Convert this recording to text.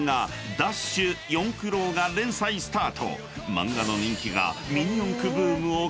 ［漫画の人気が］